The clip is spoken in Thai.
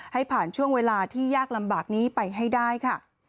ให้ผ่านช่วงเวลาที่ยากลำบากนี้ไปให้ได้ค่ะ